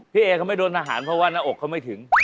เอเขาไม่โดนทหารเพราะว่าหน้าอกเขาไม่ถึง